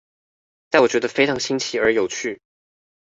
在我覺得非常新奇而有趣